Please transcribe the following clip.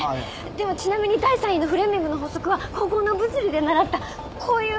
でもちなみに第３位のフレミングの法則は高校の物理で習ったこういう。